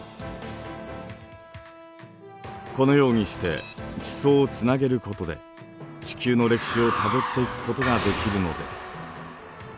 このようにして地層をつなげることで地球の歴史をたどっていくことができるのです。